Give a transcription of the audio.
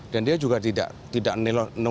dan dia juga tidak tidak nengok belakang kiri kanan